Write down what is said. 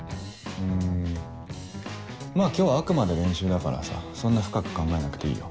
んまぁ今日はあくまで練習だからさそんな深く考えなくていいよ。